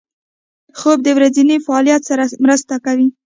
خوب د ورځني فعالیت سره مرسته کوي